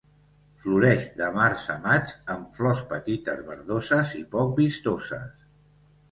Floreix de març a maig amb flors petites verdoses i poc vistoses.